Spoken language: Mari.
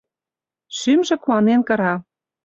Шӱмжӧ куанен кыра.